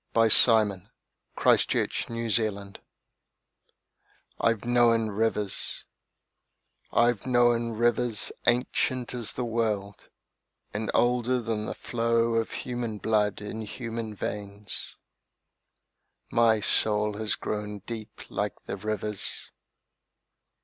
W X . Y Z The Negro Speaks of Rivers I'VE known rivers: I've known rivers ancient as the world and older than the flow of human blood in human veins. My soul has grown deep like the rivers.